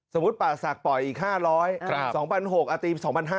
สมมุติป่าศักดิ์ปล่อยอีก๕๐๐๒๖๐๐อาตรี๒๕๐๐